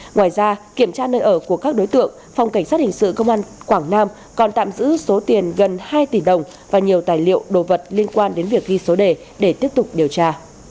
ngoài ra kiểm tra nơi ở của các đối tượng phòng cảnh sát hình sự công an quảng nam còn tạm giữ số tiền gần hai tỷ đồng và nhiều tài liệu đồ vật liên quan đến việc ghi số đề để tiếp tục điều tra